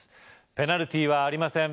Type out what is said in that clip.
ペナルティーはありません